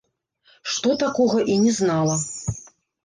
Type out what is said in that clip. Што такога і не знала!